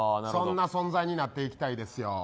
そんな存在になっていきたいですよ。